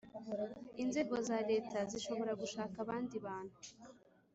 Inzego za Leta zishobora gushaka abandi bantu